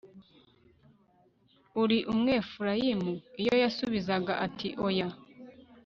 uri umwefurayimu? iyo yasubizaga ati oya